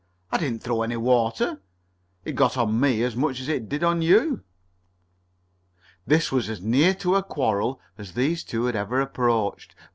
"I didn't throw any water. It got on me as much as it did on you." This was as near to a quarrel as these two had ever approached.